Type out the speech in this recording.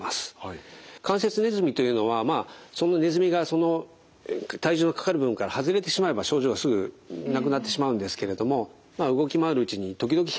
関節ネズミというのはそのネズミが体重のかかる部分から外れてしまえば症状がすぐなくなってしまうんですけれども動き回るうちに時々挟まるわけですよね。